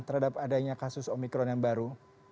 terhadap adanya kasus omikron yang baru